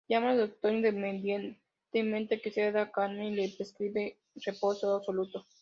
Llama al doctor inmediatamente, que seda a Carmen y le prescribe reposo absoluto.